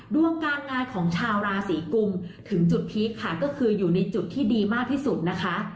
ดวงการงานของชาวราศีกุมถึงจุดพีคค่ะก็คืออยู่ในจุดที่ดีมากที่สุดนะคะ